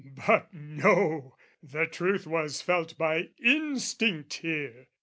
But no, the truth was felt by instinct here!